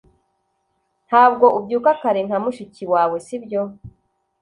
Ntabwo ubyuka kare nka mushiki wawe sibyo